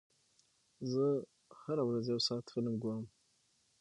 زه هره ورځ یو ساعت فلم ګورم.